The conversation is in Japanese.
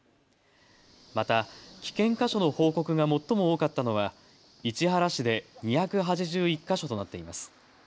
また危険箇所の報告が最も多かったのは市原市で２８１か所となっています。